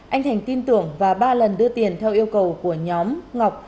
anh thành tin tưởng và ba lần đưa tiền theo yêu cầu của nhóm ngọc